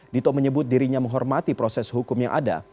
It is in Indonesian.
dito menyebut dirinya menghormati proses hukum yang ada